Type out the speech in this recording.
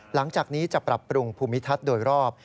หลังจากนี้จะปรับปรุงภูมิทัศน์โดยรอบ